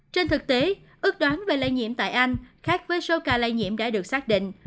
trên thực tế ước đoán về lây nhiễm tại anh khác với số ca lây nhiễm đã được xác định